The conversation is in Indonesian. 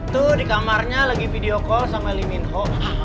tuh di kamarnya lagi video call sama li minho